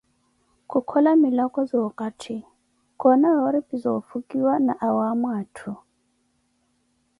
Kukhola milako za okatti, koona yoori pi za ofukiwa na awaamo atthu.